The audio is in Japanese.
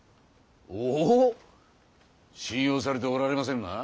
おっ信用されておられませぬな？